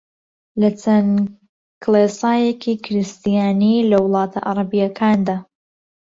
لە چەند کڵێسایەکی کریستیانی لە وڵاتە عەرەبییەکاندا